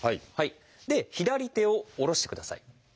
で左手を下ろしてください。